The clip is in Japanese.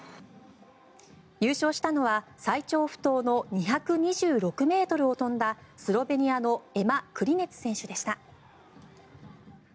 優勝したのは最長不倒の２２６ｍを飛んだスロベニアのエマ・クリネツ選手でした。